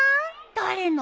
誰の？